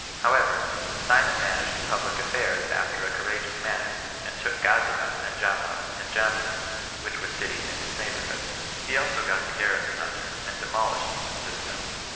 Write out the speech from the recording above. However, Simon managed the public affairs after a courageous manner, and took Gazara, and Joppa, and Jamnia, which were cities in his neighborhood. He also got the garrison under, and demolished the citadel.